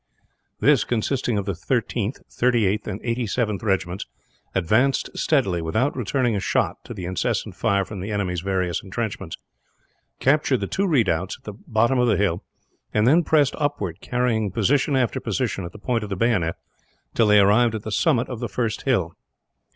This, consisting of the 13th, 38th, and 87th Regiments, advanced steadily, without returning a shot to the incessant fire from the enemy's various entrenchments; captured the two redoubts at the bottom of the hill; and then pressed upwards, carrying position after position at the point of the bayonet, till they arrived at the summit of the first hill.